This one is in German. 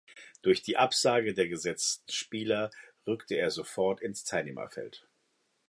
Durch die Absage der gesetzten Spieler rückte er sofort ins Teilnehmerfeld.